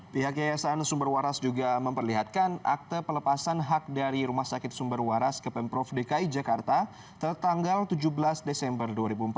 pihak yayasan sumber waras juga memperlihatkan akte pelepasan hak dari rumah sakit sumber waras ke pemprov dki jakarta tertanggal tujuh belas desember dua ribu empat belas